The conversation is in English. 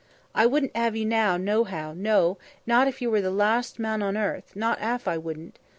"I wouldn't 'ave you, nohow, no, not if yer were the larst man on earth, not 'alf I wouldn't.